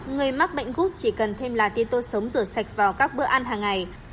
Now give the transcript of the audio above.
người mắc bệnh gút chỉ cần thêm lá tế tô sống rửa sạch vào các bữa ăn hàng ngày